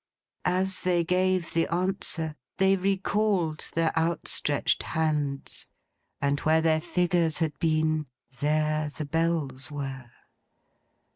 As they gave the answer, they recalled their outstretched hands; and where their figures had been, there the Bells were.